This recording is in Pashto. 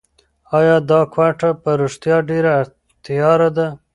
ایا دا کوټه په رښتیا ډېره تیاره ده؟